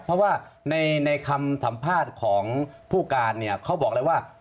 เพราะว่าในคำสัมภาษณ์ของผู้การเนี่ยเขาบอกเลยว่า